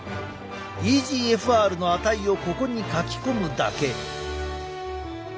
ｅＧＦＲの値をここに書き込むだけ。